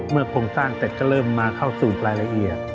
โครงสร้างเสร็จก็เริ่มมาเข้าสู่รายละเอียด